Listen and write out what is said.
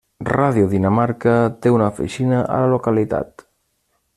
Ràdio Dinamarca té una oficina a la localitat.